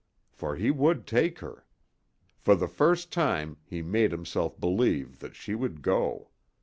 For he would take her. For the first time he made himself believe that she would go.